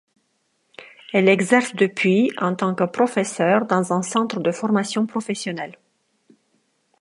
Elle exerce depuis en tant que professeure dans un centre de formation professionnelle.